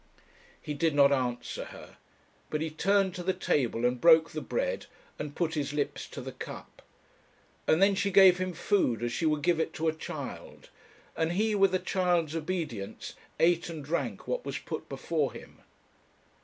He did not answer her, but he turned to the table and broke the bread, and put his lips to the cup. And then she gave him food as she would give it to a child, and he with a child's obedience ate and drank what was put before him.